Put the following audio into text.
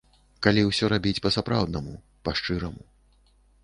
Калі ўсё рабіць па-сапраўднаму, па шчыраму.